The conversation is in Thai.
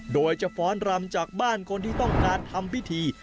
โดยจะฟ้อนรำจากบ้านคนที่ต้องการทำพิธี